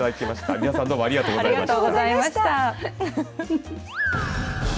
三輪さんどうもありがとうございました。